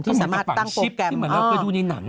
ที่สามารถตั้งโปรแกรม